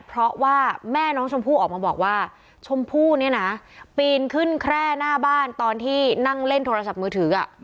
เพราะว่าแม่น้องชมพู่ออกมาบอกว่าชมพู่เนี่ยนะปีนขึ้นแคร่หน้าบ้านตอนที่นั่งเล่นโทรศัพท์มือถือ